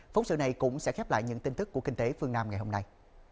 phóng sự này cũng sẽ khép lại những tin tức của kinh tế phương nam ngày hôm nay